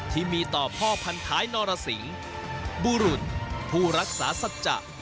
ที่มีต่อพ่อพันท้ายนรสิงบุรุษผู้รักษาสัจจะ